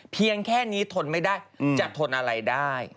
เพียงแค่นี้ทนไม่ได้จะทนอะไรได้